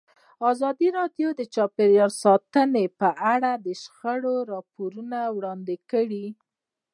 ازادي راډیو د چاپیریال ساتنه په اړه د شخړو راپورونه وړاندې کړي.